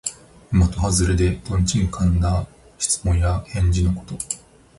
まとはずれで、とんちんかんな質問や返事のこと。